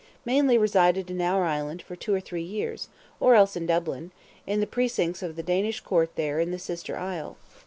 mainly resided in our island for two or three years, or else in Dublin, in the precincts of the Danish Court there in the Sister Isle.